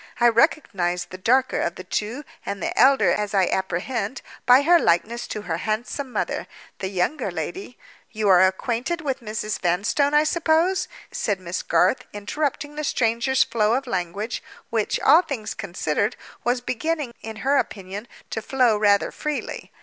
I recognized the darker of the two, and the elder as I apprehend, by her likeness to her handsome mother. The younger lady—" "You are acquainted with Mrs. Vanstone, I suppose?" said Miss Garth, interrupting the stranger's flow of language, which, all things considered, was beginning, in her opinion, to flow rather freely.